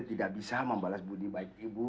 tidak bisa membalas budi baik ibu